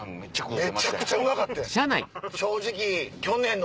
めちゃくちゃうまかってん！